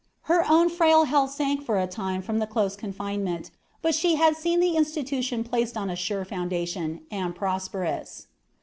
Her own frail health sank for a time from the close confinement, but she had seen the institution placed on a sure foundation, and prosperous.